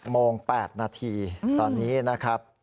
โมง๘นาทีตอนนี้นะครับ